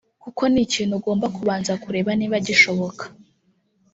kuko ni ikintu ugomba kubanza kureba niba gishoboka